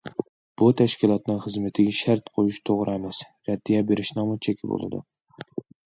بۇ تەشكىلاتنىڭ خىزمىتىگە شەرت قويۇش توغرا ئەمەس، رەددىيە بېرىشنىڭمۇ چېكى بولىدۇ.